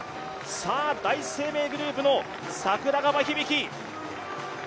さあ、第一生命グループの櫻川響晶。